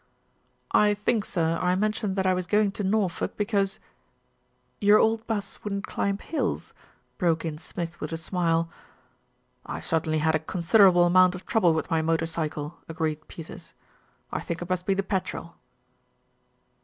"I think, sir, I mentioned that I was going to Nor folk because " "Your old bus wouldn't climb hills," broke in Smith with a smile. "I have certainly had a considerable amount of trou ble with my motor cycle," agreed Peters. "I think it must be the petrol."